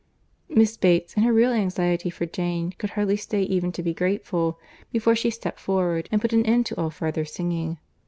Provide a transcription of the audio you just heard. Miss Bates, in her real anxiety for Jane, could hardly stay even to be grateful, before she stept forward and put an end to all farther singing.